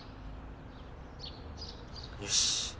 よし！